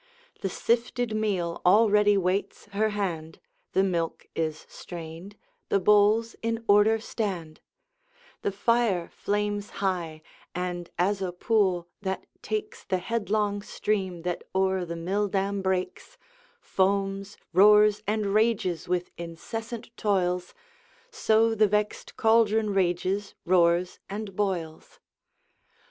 The sifted meal already waits her hand, The milk is strained, the bowls in order stand, The fire flames high; and as a pool (that takes The headlong stream that o'er the mill dam breaks) Foams, roars, and rages with incessant toils, So the vexed caldron rages, roars and boils.